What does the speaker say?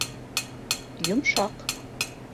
Йомшаҡ